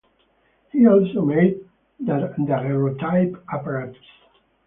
He also made daguerreotype apparatus.